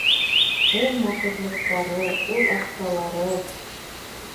Ул матурлыҡтары, ул аҡсалары...